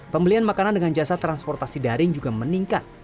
pembelian makanan dengan jasa transportasi daring juga meningkat